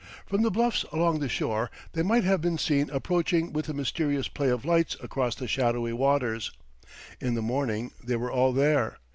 From the bluffs along the shore they might have been seen approaching with a mysterious play of lights across the shadowy waters. In the morning they were all there.